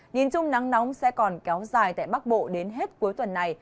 nhìn chung nắng nóng sẽ còn kéo dài tại bắc bộ đến hết cuối tuần này